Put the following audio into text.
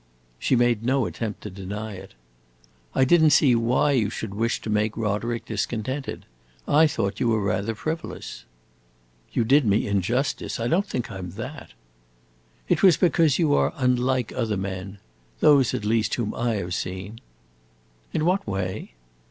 She made no attempt to deny it. "I did n't see why you should wish to make Roderick discontented. I thought you were rather frivolous." "You did me injustice. I don't think I 'm that." "It was because you are unlike other men those, at least, whom I have seen." "In what way?"